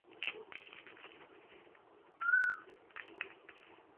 Hackenschmidt was a pioneer in the field of weightlifting.